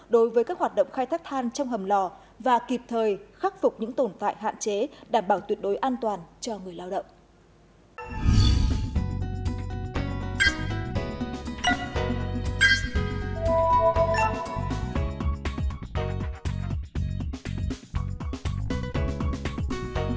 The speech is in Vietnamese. đối với các hoạt động khai thác than trong hầm lò và kịp thời khắc phục những tồn tại hạn chế đảm bảo tuyệt đối an toàn cho người lao động